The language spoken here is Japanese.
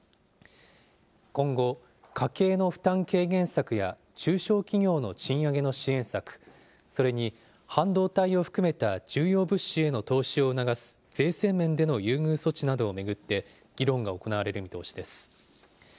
今後、家計の負担軽減策や中小企業の賃上げの支援策、それに半導体を含めた重要物資への投資を促す税制面での優遇措置などを巡って議論が行われる見通しです。